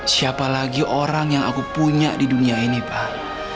siapa lagi orang yang aku punya di dunia ini pak